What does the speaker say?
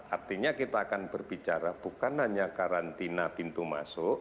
artinya kita akan berbicara bukan hanya karantina pintu masuk